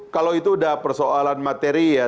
kalau itu sudah persoalan materi ya